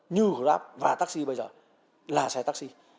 như grab và taxi bây giờ là xe taxi